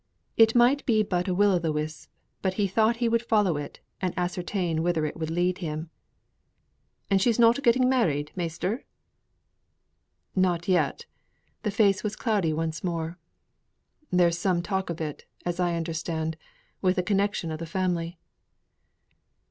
It might be but a will o' th' wisp, but he thought he would follow it and ascertain whither it would lead him. "And she's not getten married, measter?" "Not yet." The face was cloudy once more. "There is some talk of it, as I understand, with a connection of the family."